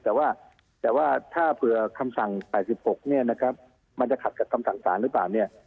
แต่ว่าแต่ว่าถ้าเผื่อคำสั่ง๘๖เนี่ยนะครับมันจะขัดกับคำสั่งสารหรือเปล่าเนี่ย